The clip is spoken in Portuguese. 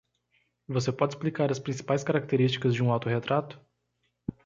Você pode explicar as principais características de um auto-retrato?